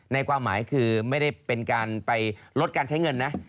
ความหมายคือไม่ได้เป็นการไปลดการใช้เงินนะ